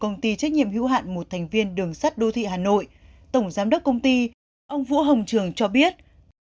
công ty trách nhiệm hữu hạn một thành viên đường sắt đô thị hà nội tổng giám đốc công ty ông vũ hồng trường cho biết